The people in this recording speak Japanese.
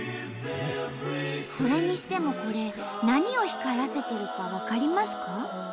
それにしてもこれ何を光らせているか分かりますか？